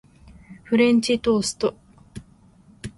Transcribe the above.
フレンチトースト